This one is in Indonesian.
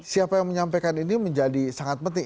siapa yang menyampaikan ini menjadi sangat penting